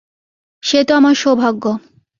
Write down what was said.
সে তো আমার সৌভাগ্য।